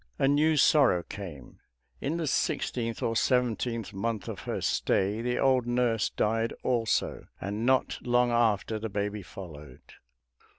A new sorrow came; in the sixteenth or seventeenth month of her stay, the old nurse died also, and not long after the baby followed.